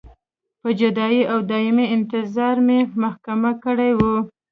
په جدایۍ او دایمي انتظار مې محکومه کړې وې.